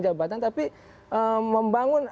jabatan tapi membangun